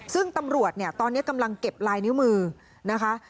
ซึ่งตำรวจเนี่ยตอนนี้กำลังเก็บลายนิ้วมือนะคะ